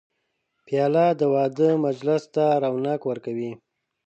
پیاله د واده مجلس ته رونق ورکوي.